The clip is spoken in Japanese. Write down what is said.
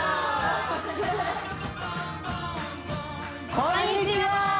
こんにちは！